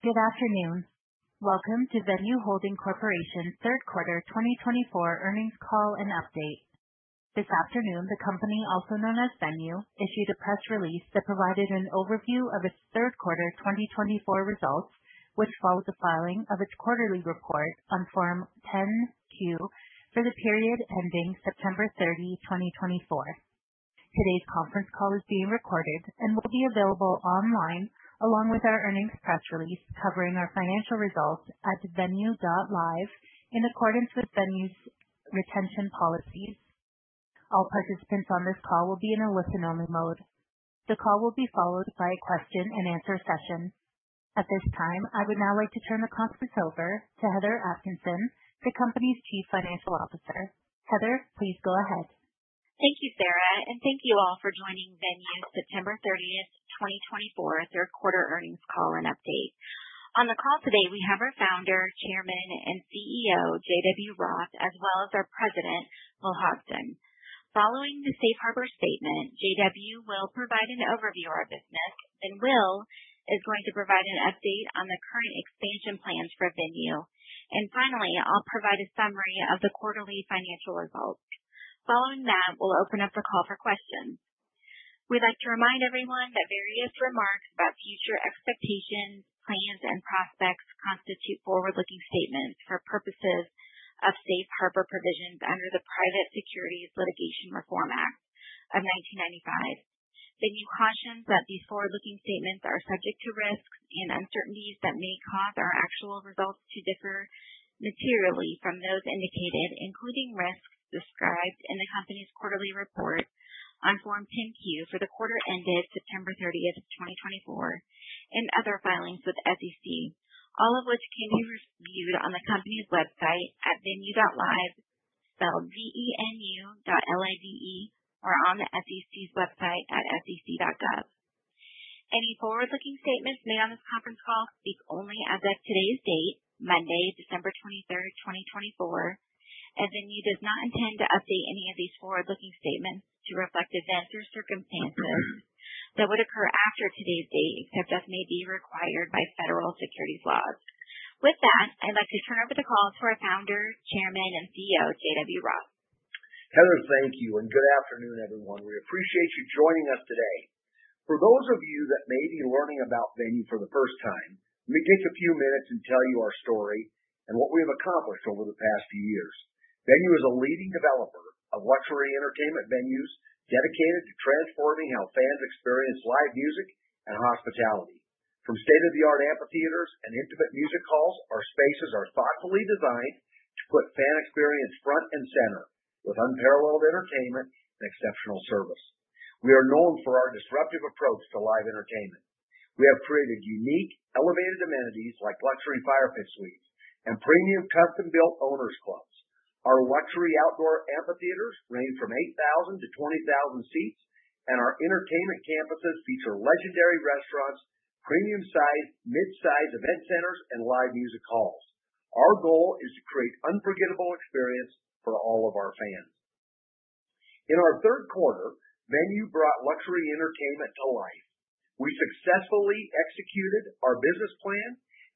Good afternoon. Welcome to Venu Holding Corporation's third quarter 2024 earnings call and update. This afternoon, the company, also known as Venu, issued a press release that provided an overview of its third quarter 2024 results, which followed the filing of its quarterly report on Form 10-Q for the period ending September 30, 2024. Today's conference call is being recorded and will be available online along with our earnings press release covering our financial results at venu.live in accordance with Venu's retention policies. All participants on this call will be in a listen-only mode. The call will be followed by a question-and-answer session. At this time, I would now like to turn the conference over to Heather Atkinson, the company's Chief Financial Officer. Heather, please go ahead. Thank you, Sarah, and thank you all for joining Venu's September 30th, 2024, third quarter earnings call and update. On the call today, we have our founder, chairman, and CEO, J.W. Roth, as well as our President, Will Hodgson. Following the Safe Harbor statement, JW will provide an overview of our business, and Will is going to provide an update on the current expansion plans for Venu. And finally, I'll provide a summary of the quarterly financial results. Following that, we'll open up the call for questions. We'd like to remind everyone that various remarks about future expectations, plans, and prospects constitute forward-looking statements for purposes of Safe Harbor provisions under the Private Securities Litigation Reform Act of 1995. Venu cautions that these forward-looking statements are subject to risks and uncertainties that may cause our actual results to differ materially from those indicated, including risks described in the company's quarterly report on Form 10-Q for the quarter ended September 30th, 2024, and other filings with SEC, all of which can be reviewed on the company's website at venu.live, spelled V-E-N-U dot L-I-V-E, or on the SEC's website at sec.gov. Any forward-looking statements made on this conference call speak only as of today's date, Monday, December 23rd, 2024, as Venu does not intend to update any of these forward-looking statements to reflect events or circumstances that would occur after today's date except as may be required by federal securities laws. With that, I'd like to turn over the call to our Founder, Chairman, and CEO, J.W. Roth. Heather, thank you, and good afternoon, everyone. We appreciate you joining us today. For those of you that may be learning about Venu for the first time, let me take a few minutes and tell you our story and what we have accomplished over the past few years. Venu is a leading developer of luxury entertainment venues dedicated to transforming how fans experience live music and hospitality. From state-of-the-art amphitheaters and intimate music halls, our spaces are thoughtfully designed to put fan experience front and center with unparalleled entertainment and exceptional service. We are known for our disruptive approach to live entertainment. We have created unique, elevated amenities like luxury fire pit suites and premium custom-built owners' clubs. Our luxury outdoor amphitheaters range from 8,000 to 20,000 seats, and our entertainment campuses feature legendary restaurants, premium-sized, mid-sized event centers, and live music halls. Our goal is to create unforgettable experiences for all of our fans. In our third quarter, Venu brought luxury entertainment to life. We successfully executed our business plan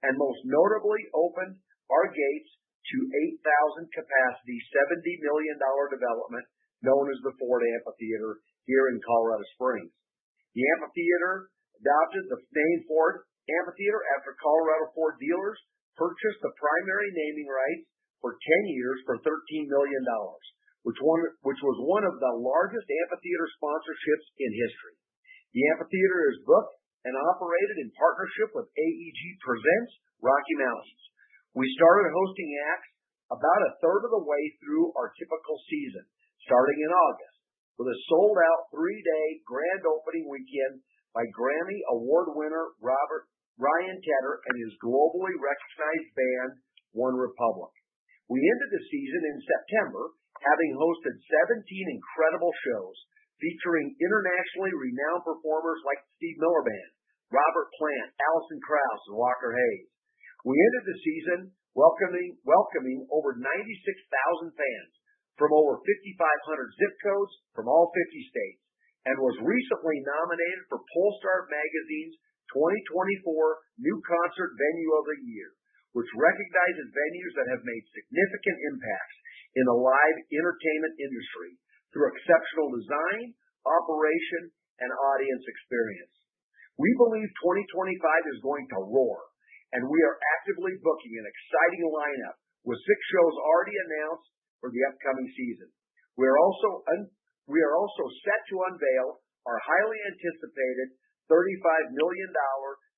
and most notably opened our gates to 8,000-capacity, $70 million development known as the Ford Amphitheater here in Colorado Springs. The amphitheater adopted the name Ford Amphitheater after Colorado Ford Dealers purchased the primary naming rights for 10 years for $13 million, which was one of the largest amphitheater sponsorships in history. The amphitheater is booked and operated in partnership with AEG Presents Rocky Mountains. We started hosting acts about a third of the way through our typical season, starting in August, with a sold-out three-day grand opening weekend by Grammy Award winner Ryan Tedder and his globally recognized band, OneRepublic. We ended the season in September, having hosted 17 incredible shows featuring internationally renowned performers like Steve Miller Band, Robert Plant, Alison Krauss, and Walker Hayes. We ended the season welcoming over 96,000 fans from over 5,500 zip codes from all 50 states and was recently nominated for Pollstar Magazine's 2024 New Concert Venue of the Year, which recognizes venues that have made significant impacts in the live entertainment industry through exceptional design, operation, and audience experience. We believe 2025 is going to roar, and we are actively booking an exciting lineup with six shows already announced for the upcoming season. We are also set to unveil our highly anticipated $35 million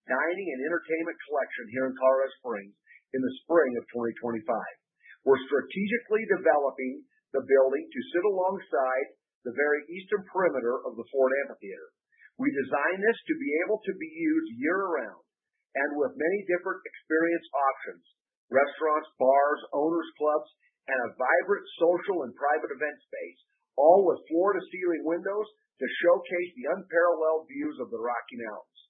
dining and entertainment collection here in Colorado Springs in the spring of 2025. We're strategically developing the building to sit alongside the very eastern perimeter of the Ford Amphitheater. We designed this to be able to be used year-round and with many different experience options: restaurants, bars, owners' clubs, and a vibrant social and private event space, all with floor-to-ceiling windows to showcase the unparalleled views of the Rocky Mountains.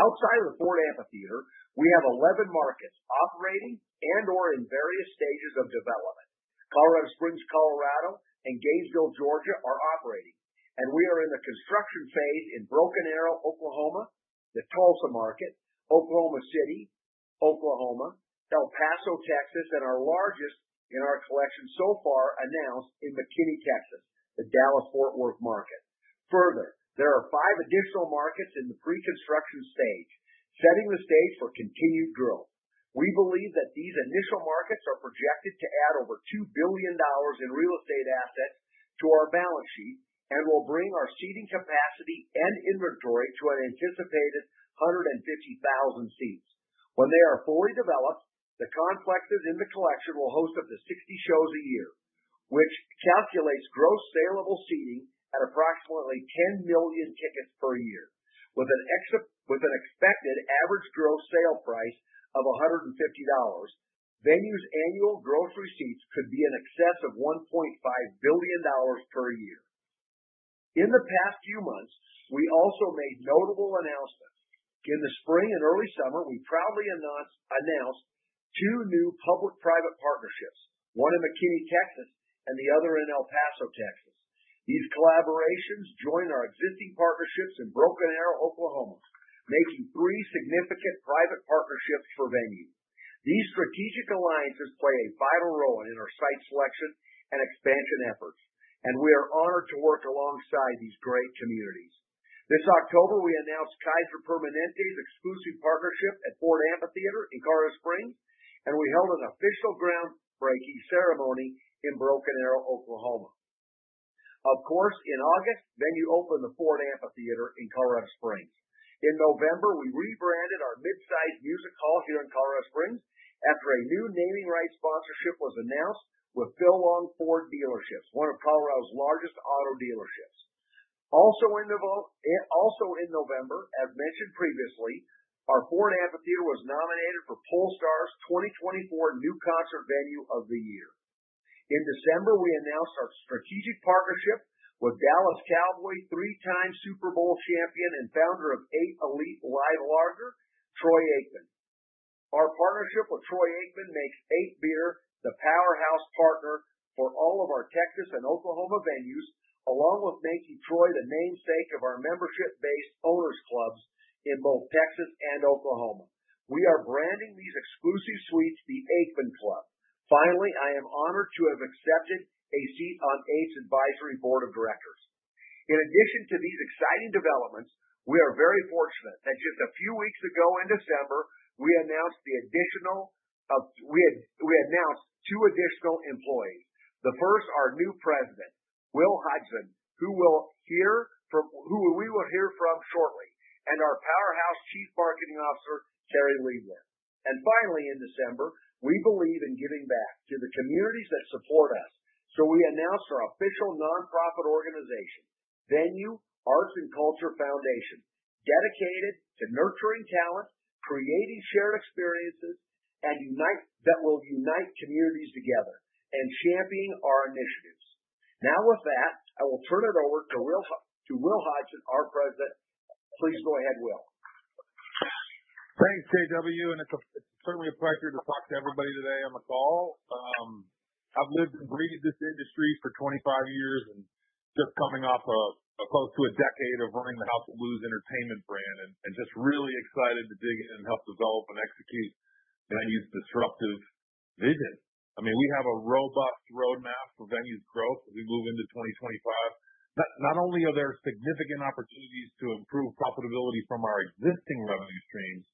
Outside of the Ford Amphitheater, we have 11 markets operating and/or in various stages of development. Colorado Springs, Colorado, and Gainesville, Georgia, are operating, and we are in the construction phase in Broken Arrow, Oklahoma, the Tulsa Market, Oklahoma City, Oklahoma, El Paso, Texas, and our largest in our collection so far announced in McKinney, Texas, the Dallas-Fort Worth Market. Further, there are five additional markets in the pre-construction stage, setting the stage for continued growth. We believe that these initial markets are projected to add over $2 billion in real estate assets to our balance sheet and will bring our seating capacity and inventory to an anticipated 150,000 seats. When they are fully developed, the complexes in the collection will host up to 60 shows a year, which calculates gross saleable seating at approximately 10 million tickets per year. With an expected average gross sale price of $150, Venu's annual gross receipts could be in excess of $1.5 billion per year. In the past few months, we also made notable announcements. In the spring and early summer, we proudly announced two new public-private partnerships, one in McKinney, Texas, and the other in El Paso, Texas. These collaborations join our existing partnerships in Broken Arrow, Oklahoma, making three significant private partnerships for Venu. These strategic alliances play a vital role in our site selection and expansion efforts, and we are honored to work alongside these great communities. This October, we announced Kaiser Permanente's exclusive partnership at Ford Amphitheater in Colorado Springs, and we held an official groundbreaking ceremony in Broken Arrow, Oklahoma. Of course, in August, Venu opened the Ford Amphitheater in Colorado Springs. In November, we rebranded our mid-sized music hall here in Colorado Springs after a new naming rights sponsorship was announced with Phil Long Ford Dealerships, one of Colorado's largest auto dealerships. Also in November, as mentioned previously, our Ford Amphitheater was nominated for Pollstar's 2024 New Concert Venue of the Year. In December, we announced our strategic partnership with Dallas Cowboys, three-time Super Bowl champion and founder of Eight Elite Light Lager, Troy Aikman. Our partnership with Troy Aikman makes Eight Brewing the powerhouse partner for all of our Texas and Oklahoma venues, along with making Troy the namesake of our membership-based owners' clubs in both Texas and Oklahoma. We are branding these exclusive suites the Aikman Club. Finally, I am honored to have accepted a seat on Eight's advisory board of directors. In addition to these exciting developments, we are very fortunate that just a few weeks ago in December, we announced two additional employees. The first, our new President, Will Hodgson, who we will hear from shortly, and our powerhouse Chief Marketing Officer, Terri Liebler. And finally, in December, we believe in giving back to the communities that support us, so we announced our official nonprofit organization, Venu Arts and Culture Foundation, dedicated to nurturing talent, creating shared experiences, and that will unite communities together and champion our initiatives. Now, with that, I will turn it over to Will Hodgson, our President. Please go ahead, Will. Thanks, J.W., and it's certainly a pleasure to talk to everybody today on the call. I've lived and breathed this industry for 25 years and just coming off of close to a decade of running the House of Blues entertainment brand and just really excited to dig in and help develop and execute Venu's disruptive vision. I mean, we have a robust roadmap for Venu's growth as we move into 2025. Not only are there significant opportunities to improve profitability from our existing revenue streams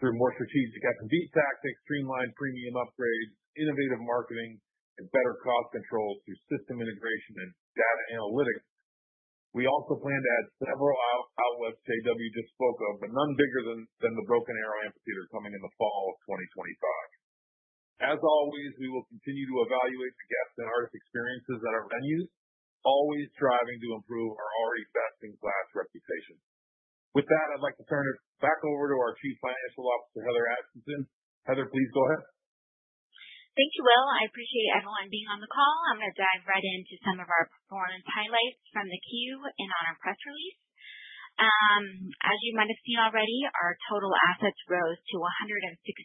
through more strategic F&B tactics, streamlined premium upgrades, innovative marketing, and better cost control through system integration and data analytics, we also plan to add several outlets J.W. just spoke of, but none bigger than the Broken Arrow Amphitheater coming in the fall of 2025. As always, we will continue to evaluate the guests and artist experiences at our venues, always striving to improve our already best-in-class reputation. With that, I'd like to turn it back over to our Chief Financial Officer, Heather Atkinson. Heather, please go ahead. Thank you, Will. I appreciate everyone being on the call. I'm going to dive right into some of our performance highlights from the Q3 and on our press release. As you might have seen already, our total assets rose to $166.6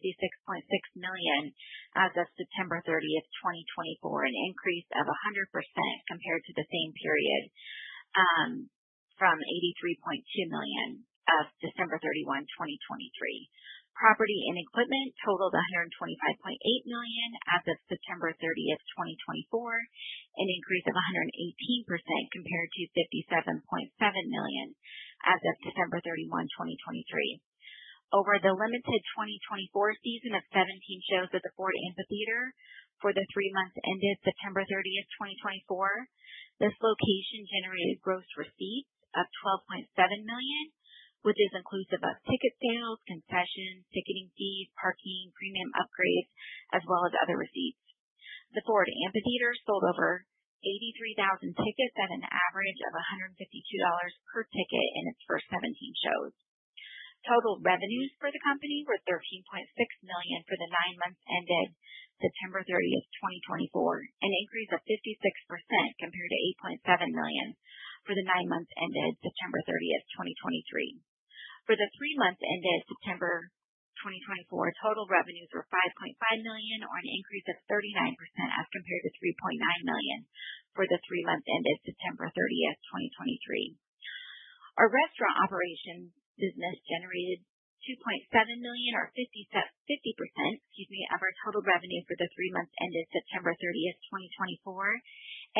million as of September 30th, 2024, an increase of 100% compared to the same period from $83.2 million as of December 31, 2023. Property and equipment totaled $125.8 million as of September 30th, 2024, an increase of 118% compared to $57.7 million as of December 31, 2023. Over the limited 2024 season of 17 shows at the Ford Amphitheater for the three months ended September 30th, 2024, this location generated gross receipts of $12.7 million, which is inclusive of ticket sales, concessions, ticketing fees, parking, premium upgrades, as well as other receipts. The Ford Amphitheater sold over 83,000 tickets at an average of $152 per ticket in its first 17 shows. Total revenues for the company were $13.6 million for the nine months ended September 30th, 2024, an increase of 56% compared to $8.7 million for the nine months ended September 30th, 2023. For the three months ended September 2024, total revenues were $5.5 million or an increase of 39% as compared to $3.9 million for the three months ended September 30th, 2023. Our restaurant operations business generated $2.7 million or 50% of our total revenue for the three months ended September 30th, 2024,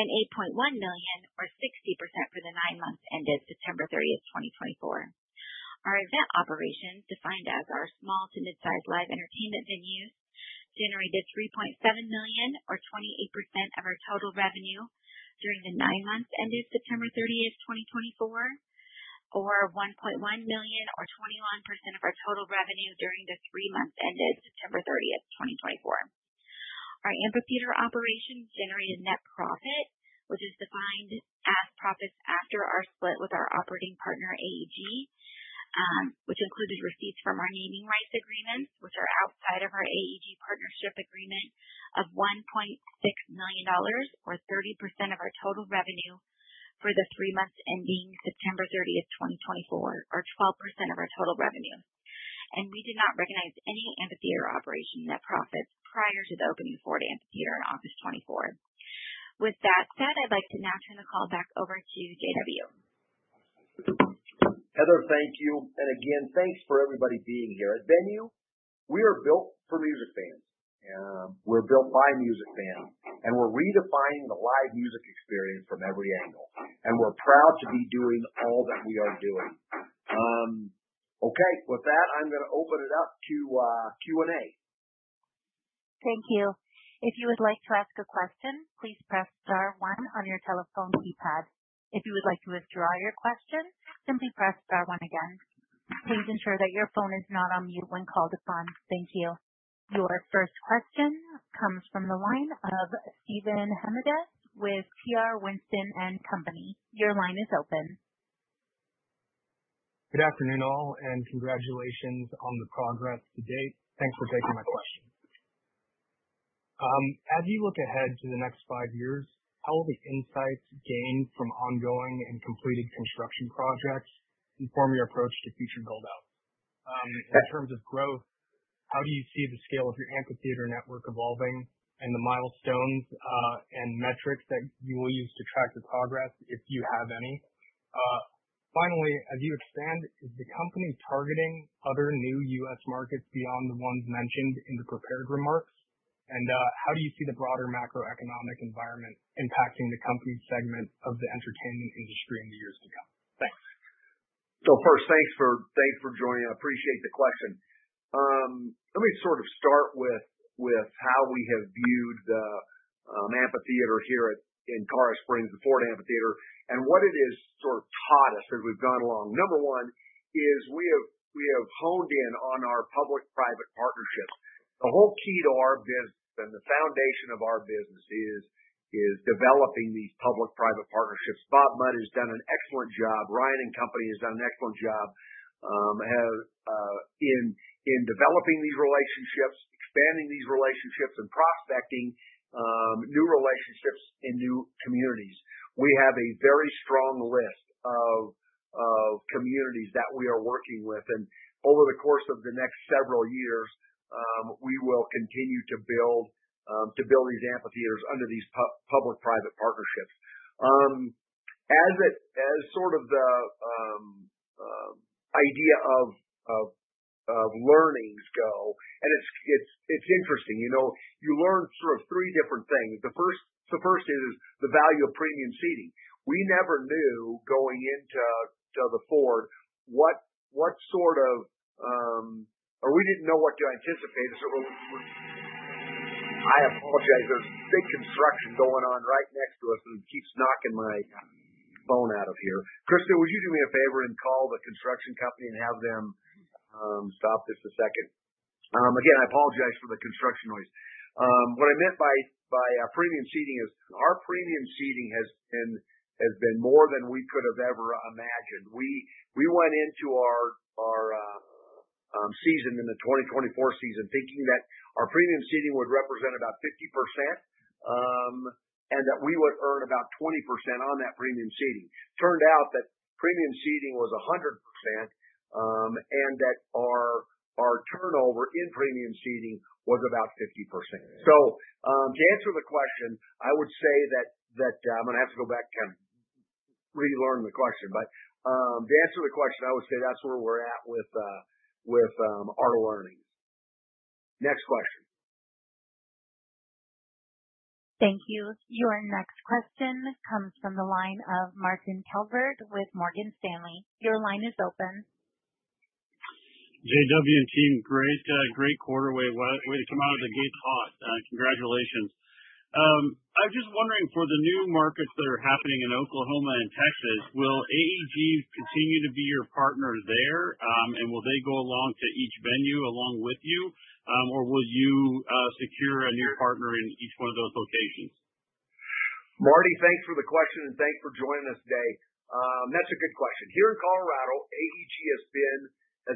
and $8.1 million or 60% for the nine months ended September 30th, 2024. Our event operations, defined as our small to mid-sized live entertainment venues, generated $3.7 million or 28% of our total revenue during the nine months ended September 30th, 2024, or $1.1 million or 21% of our total revenue during the three months ended September 30th, 2024. Our amphitheater operations generated net profit, which is defined as profits after our split with our operating partner, AEG, which included receipts from our naming rights agreements, which are outside of our AEG partnership agreement of $1.6 million or 30% of our total revenue for the three months ending September 30th, 2024, or 12% of our total revenue, and we did not recognize any amphitheater operation net profits prior to the opening of Ford Amphitheater in August 2024. With that said, I'd like to now turn the call back over to J.W. Heather, thank you. And again, thanks for everybody being here. At Venu, we are built for music fans. We're built by music fans, and we're redefining the live music experience from every angle. And we're proud to be doing all that we are doing. Okay, with that, I'm going to open it up to Q&A. Thank you. If you would like to ask a question, please press star one on your telephone keypad. If you would like to withdraw your question, simply press star one again. Please ensure that your phone is not on mute when called upon. Thank you. Your first question comes from the line of Stephen Hemedes with T.R. Winston & Company. Your line is open. Good afternoon all, and congratulations on the progress to date. Thanks for taking my question. As you look ahead to the next five years, how will the insights gained from ongoing and completed construction projects inform your approach to future buildouts? In terms of growth, how do you see the scale of your amphitheater network evolving and the milestones and metrics that you will use to track your progress, if you have any? Finally, as you expand, is the company targeting other new U.S. markets beyond the ones mentioned in the prepared remarks? And how do you see the broader macroeconomic environment impacting the company's segment of the entertainment industry in the years to come? Thanks. So first, thanks for joining. I appreciate the question. Let me sort of start with how we have viewed the amphitheater here in Colorado Springs, the Ford Amphitheater, and what it has sort of taught us as we've gone along. Number one is we have honed in on our public-private partnerships. The whole key to our business and the foundation of our business is developing these public-private partnerships. Bob Mudd has done an excellent job. Ryan and company has done an excellent job in developing these relationships, expanding these relationships, and prospecting new relationships in new communities. We have a very strong list of communities that we are working with. And over the course of the next several years, we will continue to build these amphitheaters under these public-private partnerships. As sort of the idea of learnings go, and it's interesting, you learn sort of three different things. The first is the value of premium seating. We never knew going into the Ford what sort of—or we didn't know what to anticipate. I apologize. There's big construction going on right next to us, and it keeps knocking my phone out of here. Kristen, would you do me a favor and call the construction company and have them stop just a second? Again, I apologize for the construction noise. What I meant by premium seating is our premium seating has been more than we could have ever imagined. We went into our season in the 2024 season thinking that our premium seating would represent about 50% and that we would earn about 20% on that premium seating. Turned out that premium seating was 100% and that our turnover in premium seating was about 50%. So to answer the question, I would say that, I'm going to have to go back and relearn the question, but to answer the question, I would say that's where we're at with our learnings. Next question. Thank you. Your next question comes from the line of Martin Kjellberg with Morgan Stanley. Your line is open. J.W. and team, great quarter, way to come out of the gates hot. Congratulations. I'm just wondering, for the new markets that are happening in Oklahoma and Texas, will AEG continue to be your partner there, and will they go along to each venue along with you, or will you secure a new partner in each one of those locations? Marty, thanks for the question, and thanks for joining us today. That's a good question. Here in Colorado, AEG has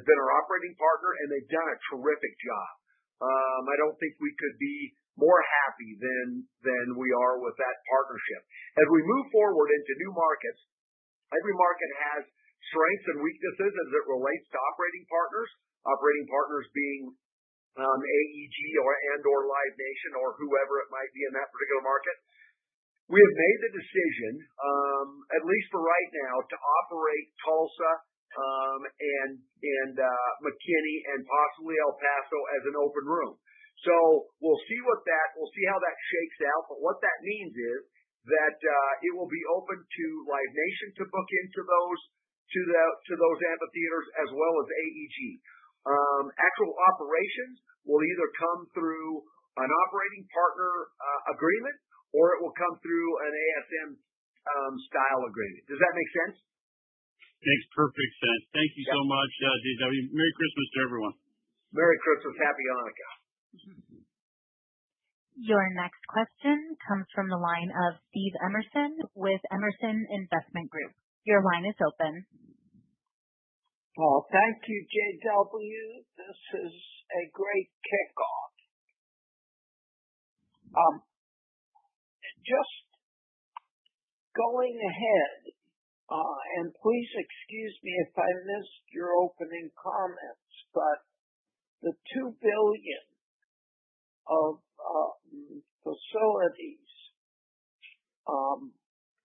been our operating partner, and they've done a terrific job. I don't think we could be more happy than we are with that partnership. As we move forward into new markets, every market has strengths and weaknesses as it relates to operating partners, operating partners being AEG and/or Live Nation or whoever it might be in that particular market. We have made the decision, at least for right now, to operate Tulsa and McKinney and possibly El Paso as an open room. So we'll see how that shakes out. But what that means is that it will be open to Live Nation to book into those amphitheaters as well as AEG. Actual operations will either come through an operating partner agreement or it will come through an ASM-style agreement. Does that make sense? Makes perfect sense. Thank you so much, J.W. Merry Christmas to everyone. Merry Christmas. Happy Hanukkah. Your next question comes from the line of Steve Emerson with Emerson Investment Group. Your line is open. Thank you, J.W. This is a great kickoff. Just going ahead, and please excuse me if I missed your opening comments, but the $2 billion of facilities,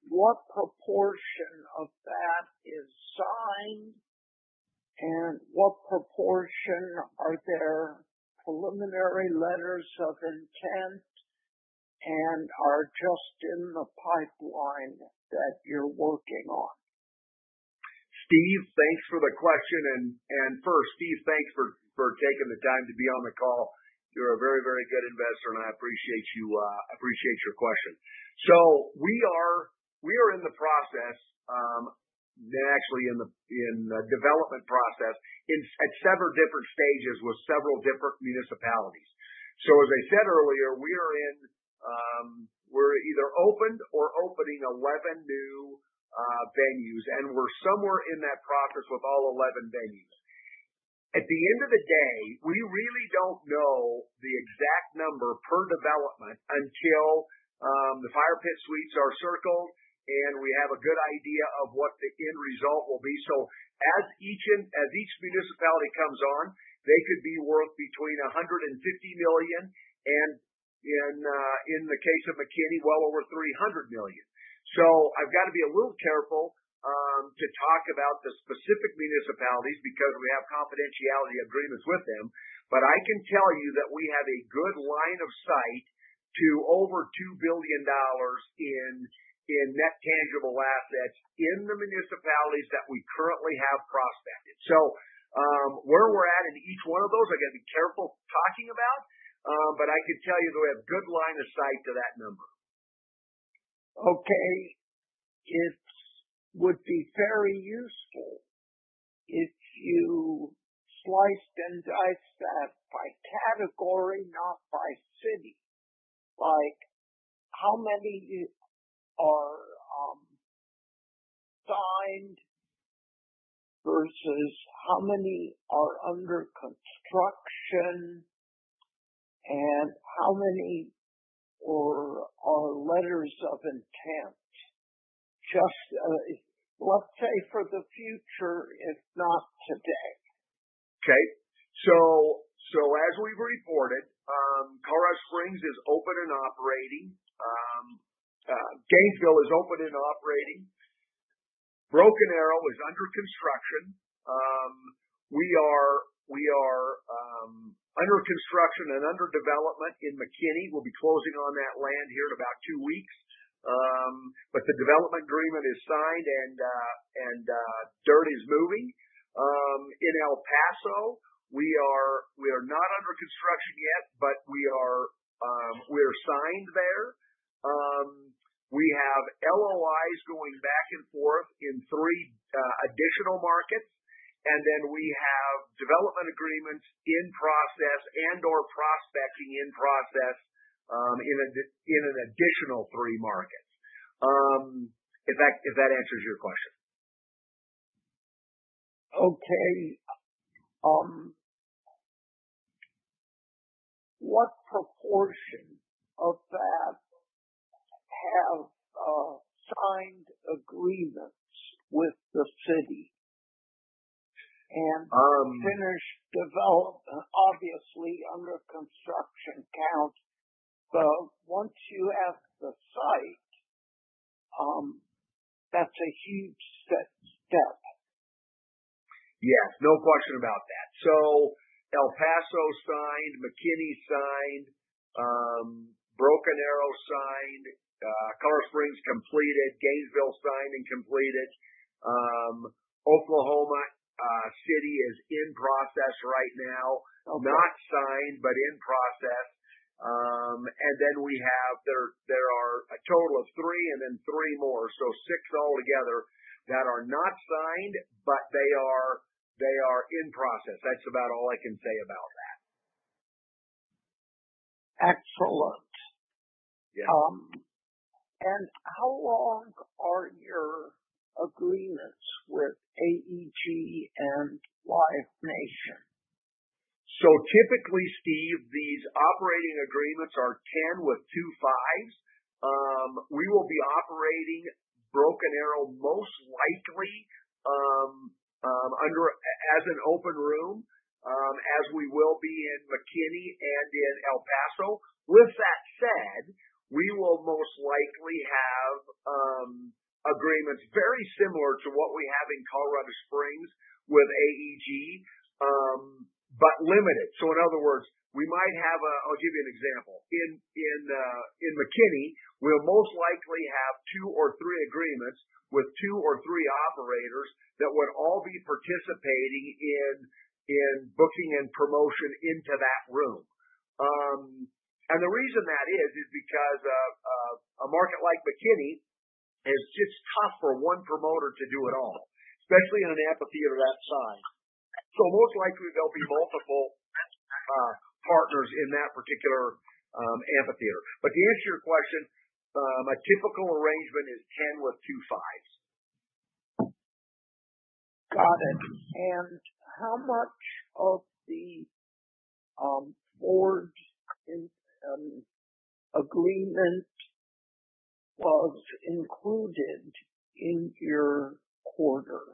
what proportion of that is signed, and what proportion are there preliminary letters of intent and are just in the pipeline that you're working on? Steve, thanks for the question. And first, Steve, thanks for taking the time to be on the call. You're a very, very good investor, and I appreciate your question. So we are in the process, actually in the development process, at several different stages with several different municipalities. So as I said earlier, we're either open or opening 11 new venues, and we're somewhere in that process with all 11 venues. At the end of the day, we really don't know the exact number per development until the fire pit suites are circled, and we have a good idea of what the end result will be. So as each municipality comes on, they could be worth between $150 million and, in the case of McKinney, well over $300 million. So I've got to be a little careful to talk about the specific municipalities because we have confidentiality agreements with them. But I can tell you that we have a good line of sight to over $2 billion in net tangible assets in the municipalities that we currently have prospected. So where we're at in each one of those, I've got to be careful talking about, but I can tell you that we have a good line of sight to that number. Okay. It would be very useful if you sliced and diced that by category, not by city. How many are signed versus how many are under construction, and how many are letters of intent? Let's say for the future, if not today. Okay, so as we've reported, Colorado Springs is open and operating. Gainesville is open and operating. Broken Arrow is under construction. We are under construction and under development in McKinney. We'll be closing on that land here in about two weeks, but the development agreement is signed, and dirt is moving. In El Paso, we are not under construction yet, but we are signed there. We have LOIs going back and forth in three additional markets, and then we have development agreements in process and/or prospecting in process in an additional three markets, if that answers your question. Okay. What proportion of that have signed agreements with the city and finished development, obviously under construction count? But once you have the site, that's a huge step. Yes. No question about that. So El Paso signed, McKinney signed, Broken Arrow signed, Colorado Springs completed, Gainesville signed and completed. Oklahoma City is in process right now, not signed, but in process. And then we have there are a total of three and then three more, so six altogether that are not signed, but they are in process. That's about all I can say about that. Excellent. And how long are your agreements with AEG and Live Nation? Typically, Steve, these operating agreements are 10 with two fives. We will be operating Broken Arrow most likely as an open room, as we will be in McKinney and in El Paso. With that said, we will most likely have agreements very similar to what we have in Colorado Springs with AEG, but limited. So in other words, we might have a. I'll give you an example. In McKinney, we'll most likely have two or three agreements with two or three operators that would all be participating in booking and promotion into that room. And the reason that is, is because a market like McKinney is just tough for one promoter to do it all, especially in an amphitheater that size. So most likely, there'll be multiple partners in that particular amphitheater. But to answer your question, a typical arrangement is 10 with two fives. Got it and how much of the Ford agreement was included in your quarter?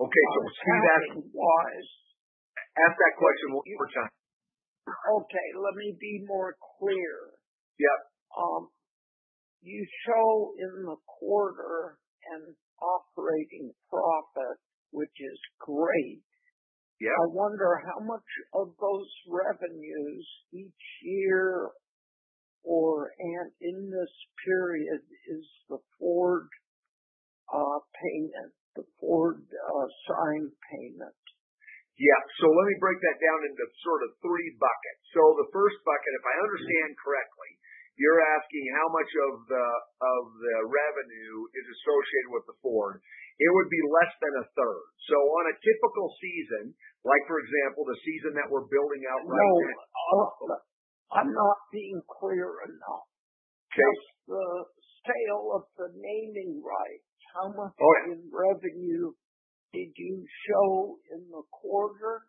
Okay, so Steve, ask that question one more time. Okay. Let me be more clear. You show in the quarter an operating profit, which is great. I wonder how much of those revenues each year or in this period is the Ford signing payment? Yeah. So let me break that down into sort of three buckets. So the first bucket, if I understand correctly, you're asking how much of the revenue is associated with the Ford. It would be less than a third. So on a typical season, like for example, the season that we're building out right now. No, I'm not being clear enough. That's the scale of the naming rights. How much in revenue did you show in the quarter,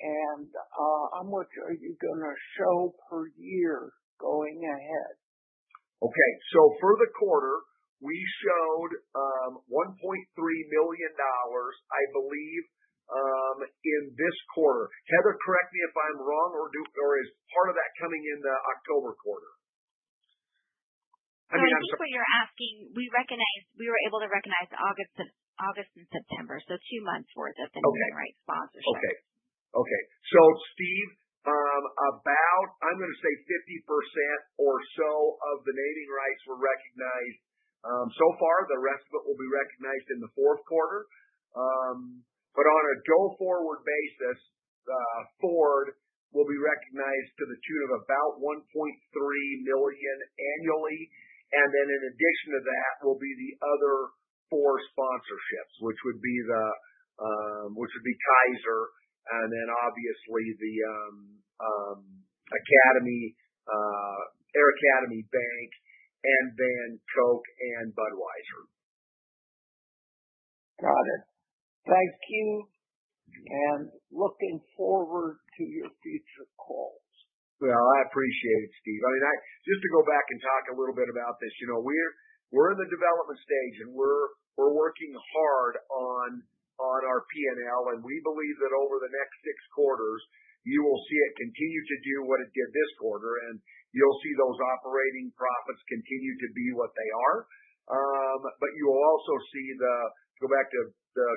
and how much are you going to show per year going ahead? Okay. So for the quarter, we showed $1.3 million, I believe, in this quarter. Heather, correct me if I'm wrong, or is part of that coming in the October quarter? I mean, I'm sorry. Basically, what you're asking, we recognized we were able to recognize August and September, so two months' worth of the naming rights sponsorship. Okay. Okay. So Steve, about, I'm going to say 50% or so of the naming rights were recognized so far. The rest of it will be recognized in the fourth quarter. But on a go-forward basis, Ford will be recognized to the tune of about $1.3 million annually. And then in addition to that, will be the other four sponsorships, which would be the Kaiser, and then obviously the Air Academy Bank, and then Koch and Budweiser. Got it. Thank you and looking forward to your future calls. I appreciate it, Steve. I mean, just to go back and talk a little bit about this, we're in the development stage, and we're working hard on our P&L, and we believe that over the next six quarters, you will see it continue to do what it did this quarter, and you'll see those operating profits continue to be what they are, but you will also see. Go back to the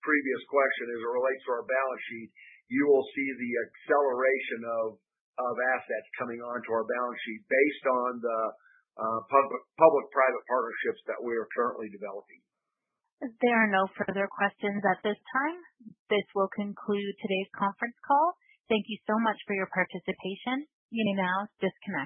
previous question as it relates to our balance sheet. You will see the acceleration of assets coming onto our balance sheet based on the public-private partnerships that we are currently developing. If there are no further questions at this time, this will conclude today's conference call. Thank you so much for your participation. You may now disconnect.